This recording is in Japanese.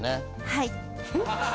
はい。